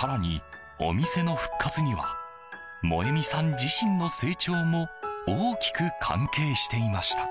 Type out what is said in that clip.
更に、お店の復活には萌美さん自身の成長も大きく関係していました。